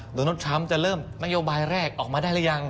โดนัลดทรัมป์จะเริ่มนโยบายแรกออกมาได้หรือยัง